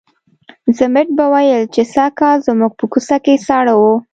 ضمټ به ویل چې سږکال زموږ په کوڅه کې ساړه وو.